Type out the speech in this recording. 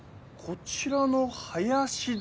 こちらの林田